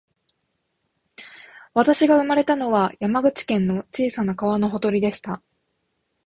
私が生まれたのは、山口県の小さな川のほとりでした